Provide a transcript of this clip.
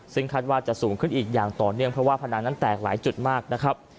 ซึ่งคาดว่าจะสูงขึ้นอีกอย่างต่อเนื่องเพราะว่าพนังนั้นแตกหลายจุดมากนะครับ